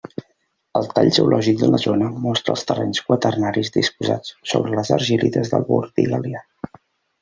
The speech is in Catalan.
El tall geològic de la zona mostra els terrenys quaternaris dipositats sobre les argil·lites del Burdigalià.